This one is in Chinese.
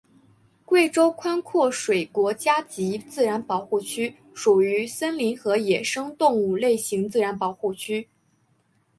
贵州宽阔水国家级自然保护区属于森林和野生动物类型自然保护区。